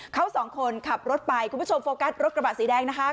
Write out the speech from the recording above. เขาสองคนขับรถไปคุณผู้ชมโฟกัสรถกระบะสีแดงนะคะ